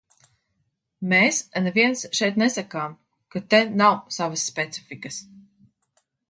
Mēs neviens šeit nesakām, ka te nav savas specifikas.